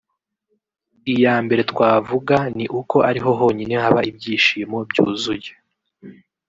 Iya mbere twavuga ni uko ariho honyine haba ibyishimo byuzuye